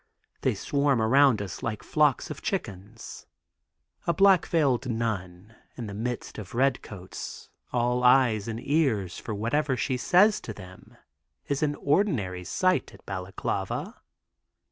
They swarm around us like flocks of chickens. A black veiled nun, in the midst of red coats all eyes and ears for whatever she says to them, is an ordinary sight at Balaklava.